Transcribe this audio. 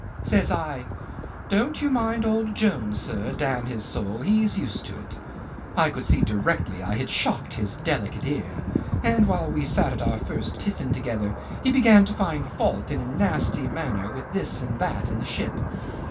... Says I, 'Don't you mind old Jones, sir; dam' his soul, he's used to it.' I could see directly I had shocked his delicate ear, and while we sat at our first tiffin together he began to find fault in a nasty manner with this and that in the ship.